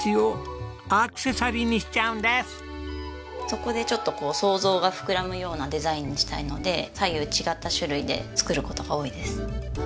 そこでちょっとこう想像が膨らむようなデザインにしたいので左右違った種類で作る事が多いです。